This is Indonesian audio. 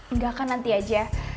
enggak kan nanti aja